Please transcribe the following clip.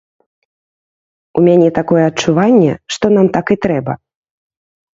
У мяне такое адчуванне, што нам так і трэба.